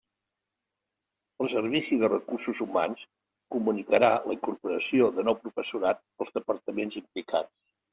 El Servici de Recursos Humans comunicarà la incorporació de nou professorat als Departaments implicats.